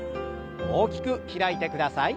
大きく開いてください。